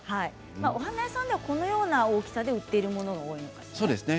お花屋さんではこのような大きさで売っているものが多いんですね。